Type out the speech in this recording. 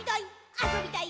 あそびたい！